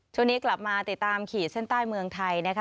ช่วงนี้กลับมาติดตามขีดเส้นใต้เมืองไทยนะคะ